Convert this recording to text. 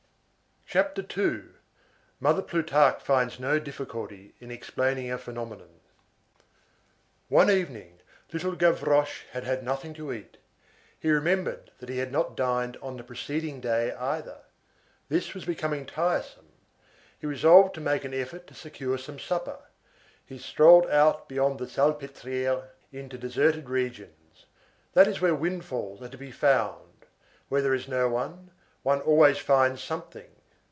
CHAPTER II—MOTHER PLUTARQUE FINDS NO DIFFICULTY IN EXPLAINING A PHENOMENON One evening, little Gavroche had had nothing to eat; he remembered that he had not dined on the preceding day either; this was becoming tiresome. He resolved to make an effort to secure some supper. He strolled out beyond the Salpêtrière into deserted regions; that is where windfalls are to be found; where there is no one, one always finds something.